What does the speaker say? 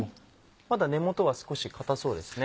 まだ根元は少し硬そうですね。